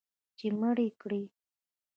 چې مړ یې کړي